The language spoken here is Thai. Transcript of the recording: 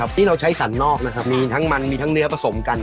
ที่เราใช้สันนอกนะครับมีทั้งมันมีทั้งเนื้อผสมกัน